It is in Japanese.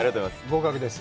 合格です。